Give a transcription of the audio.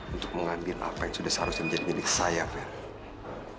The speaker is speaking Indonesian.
untuk mengambil apa yang sudah seharusnya menjadi milik saya very